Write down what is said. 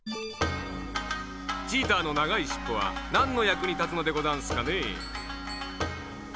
チーターのながいしっぽはなんのやくにたつのでござんすかねえ？